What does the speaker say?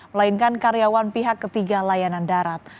melainkan karyawan pihak ketiga layanan darat